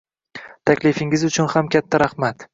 Taklifingiz uchun ham katta rahmat